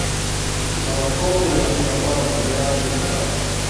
Ma lo scoppio della prima guerra mondiale li separa.